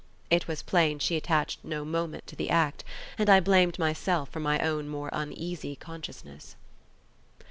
It was plain she attached no moment to the act, and I blamed myself for my own more uneasy consciousness.